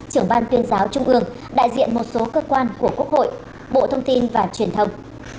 trưởng ban tuyên giáo trung ương đại diện một số cơ quan của quốc hội bộ thông tin và truyền thông